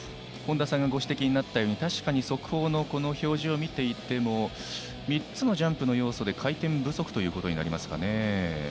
本田さんがご指摘になったように確かに速報の表示を見ていても３つのジャンプの要素で回転不足となりますかね。